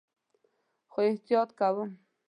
خو احتیاط کوم